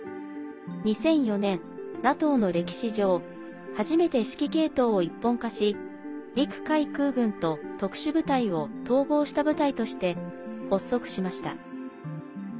２００４年、ＮＡＴＯの歴史上初めて指揮系統を一本化し陸海空軍と特殊部隊を統合した部隊として発足しました。